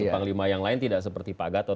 panglima yang lain tidak seperti pak gatot